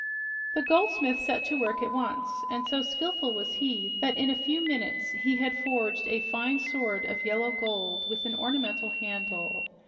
The goldsmith set to work at once, and so skillful was he that in a few minutes he had forged a fine sword of yellow gold with an ornamental handle.